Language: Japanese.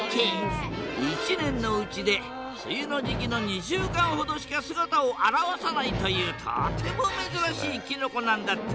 一年のうちで梅雨の時期の２週間ほどしか姿を現さないというとてもめずらしいキノコなんだって。